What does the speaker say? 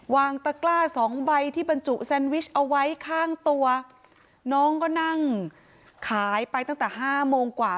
ตะกล้าสองใบที่บรรจุแซนวิชเอาไว้ข้างตัวน้องก็นั่งขายไปตั้งแต่ห้าโมงกว่า